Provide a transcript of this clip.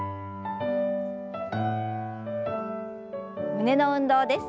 胸の運動です。